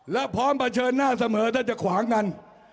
แล้วพร้อมเผชิญหน้าเสมอถ้าจะขวางกัน